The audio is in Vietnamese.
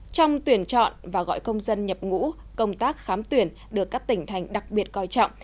trong tuyển chọn và gọi công dân nhập ngũ công tác khám tuyển được các tỉnh thành đặc biệt coi trọng